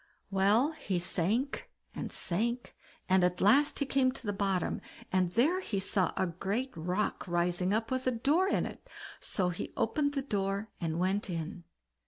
Well, he sank and sank, and at last he came to the bottom, and there he saw a great rock rising up with a door in it, so he opened the door and went in.